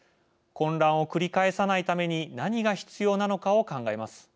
混乱を繰り返さないために何が必要なのかを考えます。